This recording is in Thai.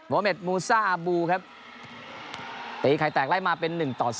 เมดมูซ่าอาบูครับตีไข่แตกไล่มาเป็น๑ต่อ๐